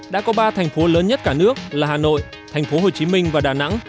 đã có ba thành phố lớn nhất cả nước là hà nội thành phố hồ chí minh và đà nẵng